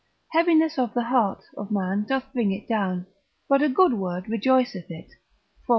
Heaviness of the heart of man doth bring it down, but a good word rejoiceth it, Prov.